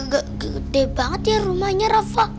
gede banget ya rumahnya rafa